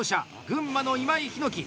群馬の今井陽樹！